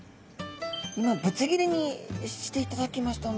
今ぶつ切りにしていただきました。